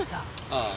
ああ。